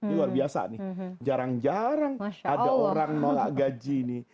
luar biasa nih jarang jarang ada orang nolak gaji ini